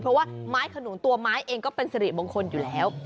เพราะว่าไม้ขนุนตัวไม้เองก็เป็นสิริมงคลอยู่แล้ว